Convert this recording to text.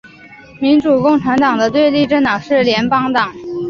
民主共和党的对立政党是联邦党。